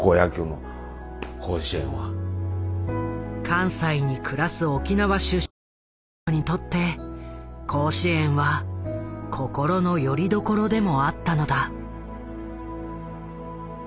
関西に暮らす沖縄出身の人々にとって甲子園は心のよりどころでもあったのだ。